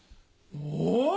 お？